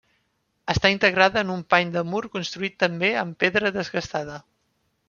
Està integrada en un pany de mur construït també en pedra desbastada.